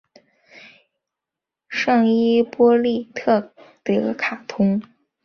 圣伊波利特德卡通。